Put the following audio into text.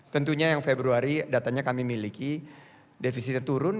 tentunya yang februari datanya kami miliki defisitnya turun